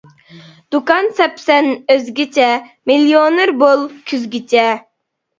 دۇكان ساپسەن ئۆزگىچە، مىليونېر بول كۈزگىچە.